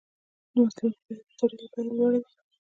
د محصولاتو بیه د تولید له بیې لوړه وي